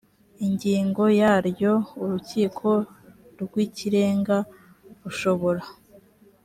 ingingo yaryo urukiko rw ikirenga rushobora